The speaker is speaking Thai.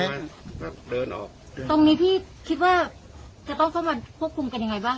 แบบเดินออกเดินตรงนี้พี่คิดว่าจะต้องเข้ามาควบคุมกันยังไงบ้าง